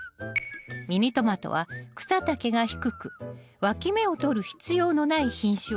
ミニトマトは草丈が低くわき芽をとる必要のない品種を育てます。